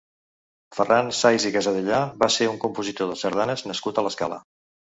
Ferran Says i Casadellà va ser un compositor de sardanes nascut a l'Escala.